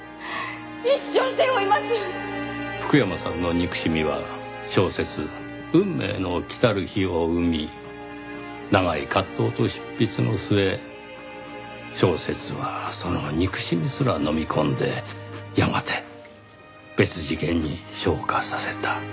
福山さんの憎しみは小説『運命の来たる日』を生み長い葛藤と執筆の末小説はその憎しみすらのみ込んでやがて別次元に昇華させた。